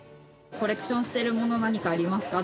コレクションしてるもの何かありますか？